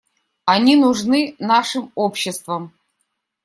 Они нужны нашим обществам.